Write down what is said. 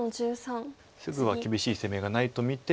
すぐは厳しい攻めがないと見て。